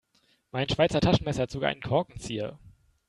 Mein Schweizer Taschenmesser hat sogar einen Korkenzieher.